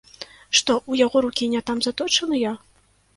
Што ў яго рукі не там заточаныя?